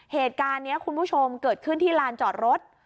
เหตุการณ์นี้คุณผู้ชมเกิดขึ้นที่ลานจอดรถ